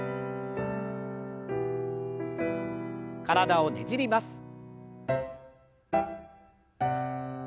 体をねじります。